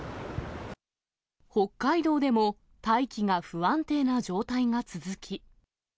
北海道でも、大気が不安定な状態が続き。